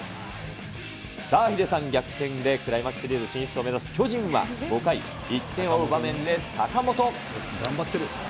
さあ、ヒデさん、逆転でクライマックスシリーズ進出を目指す巨人は５回、１点を追う場面で坂本。